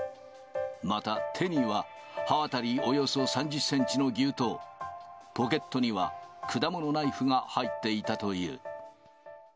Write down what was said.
また、手には刃渡りおよそ３０センチの牛刀、ポケットには果物ナイフが入っていたという。